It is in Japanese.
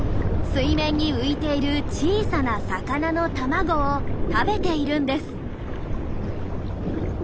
水面に浮いている小さな魚の卵を食べているんです。